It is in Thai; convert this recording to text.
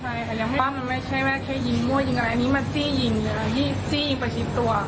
ใช่ค่ะยังไม่ว่ามันไม่ใช่แม้แค่ยิงมั่วยิงอะไรอันนี้มันจี้ยิงอ่าจี้ยิงประชิตตัว